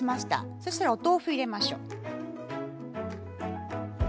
そしたらお豆腐入れましょ。